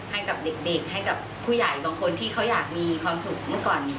ให้กับเด็กให้กับผู้ใหญ่บางคนที่เขาอยากมีความสุขเมื่อก่อน